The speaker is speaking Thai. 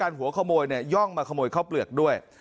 หัวขโมยเนี่ยย่องมาขโมยข้าวเปลือกด้วย